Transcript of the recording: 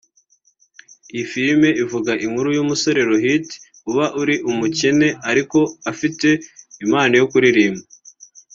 Iyi filime ivuga inkuru y’umusore Rohit uba ari umukene ariko afite impano yo kuririmba